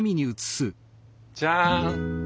じゃん。